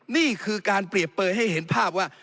นี่คือการเปรียบเปลยให้เห็นภาพว่า